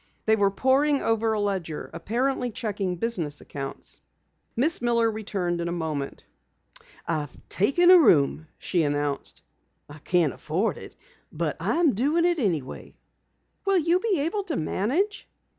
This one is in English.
They were poring over a ledger, apparently checking business accounts. Miss Miller returned in a moment. "I've taken a room," she announced. "I can't afford it, but I am doing it anyway." "Will you be able to manage?"